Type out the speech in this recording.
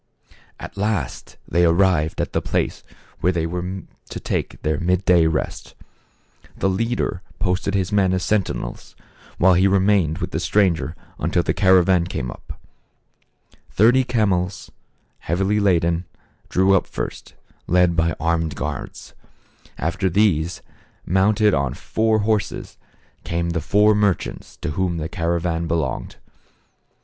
At last they arrived at the place where they were to take their mid day rest. The leader posted his men as sentinels, while he remained with the stranger until the caravan came up. Thirty camels, heavily laden, drew up first, led by armed guides. After these, mounted on four 84 THE CAE AVAN. TKe ^® r j / fv \ePcKa.n horses, came the four merchants to whom the caravan belonged.